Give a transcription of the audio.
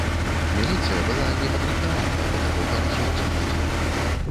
Міліцыя была непадрыхтаваная да такога развіцця падзей.